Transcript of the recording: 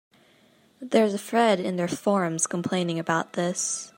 There's a thread in their forums complaining about this.